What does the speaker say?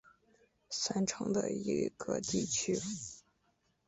三城的一个地区。